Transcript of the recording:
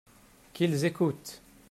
Qu'ils écoutent !